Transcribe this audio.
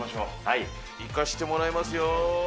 いかしてもらいますよ。